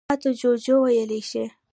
_ماته جُوجُو ويلی شې.